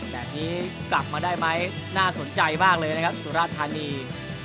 แบบนี้กลับมาได้ไหมน่าสนใจมากเลยนะครับสุราธานี